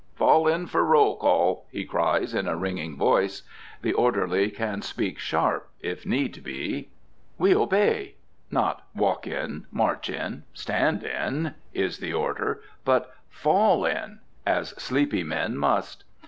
"Fall in, for roll call!" he cries, in a ringing voice. The orderly can speak sharp, if need be. We obey. Not "Walk in!" "March in!" "Stand in!" is the order; but "Fall in!" as sleepy men must.